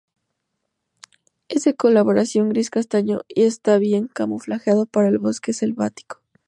Es de coloración gris-castaño y está bien camuflado para el bosque selvático.